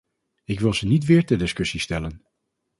Ik wil ze niet weer ter discussie stellen.